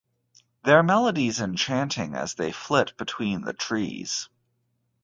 Their melodies enchanting, as they flit between the trees.